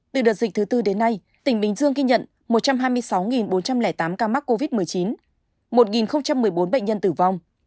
từ đợt dịch thứ tư đến nay tỉnh bình dương ghi nhận một trăm hai mươi sáu bốn trăm linh tám ca mắc covid một mươi chín một một mươi bốn bệnh nhân tử vong